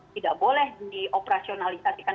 tidak boleh dioperasionalisasikan